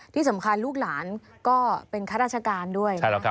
ที่สำคัญลูกหลานก็เป็นข้าราชการด้วย